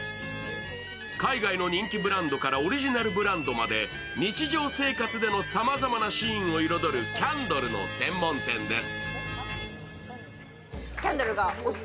海外の人気ブランドからオリジナルブランドまで日常生活でのさまざまなシーンを彩るキャンドルの専門店です。